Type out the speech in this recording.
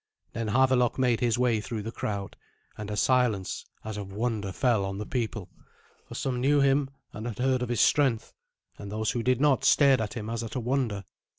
Then Havelok made his way through the crowd, and a silence as of wonder fell on the people; for some knew him, and had heard of his strength, and those who did not stared at him as at a wonder.